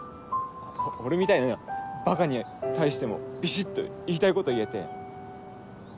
俺みたいなバカに対してもビシっと言いたいこと言えて。